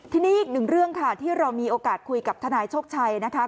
ทีนี้อีกหนึ่งเรื่องค่ะที่เรามีโอกาสคุยกับทนายโชคชัยนะคะ